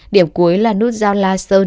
điểm cuối là nút giao lightstone